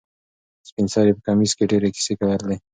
سپین سرې په کمیس کې ډېرې کیسې لرلې.